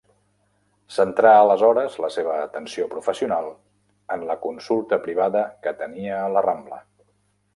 Centrà aleshores la seva atenció professional en la consulta privada que tenia a La Rambla.